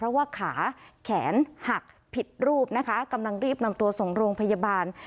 เพราะว่าขาแขนหักผิดรูปนะคะกำลังรีบนำตัวส่งโรงพยาบาล